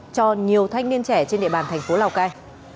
cho nhiều thanh niên trẻ trên địa bàn thành phố lào cai